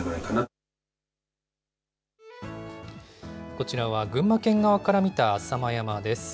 こちらは、群馬県側から見た浅間山です。